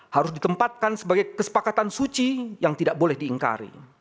harus ditempatkan sebagai kesepakatan suci yang tidak boleh diingkari